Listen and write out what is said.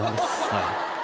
はい。